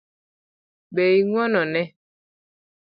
Be ing'uono ne?